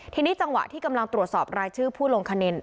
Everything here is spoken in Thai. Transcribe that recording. ทีนี้จังหวะที่กำลังตรวจสอบรายชื่อผู้ลงคะแนน